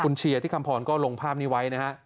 คุณเชียร์ที่คำพรก็ลงภาพนี้ไว้นะฮะ